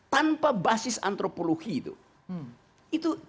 tanpa basis antropologi itu